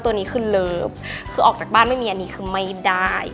ตัวนี้คือเลิฟคือออกจากบ้านไม่มีอันนี้คือไม่ได้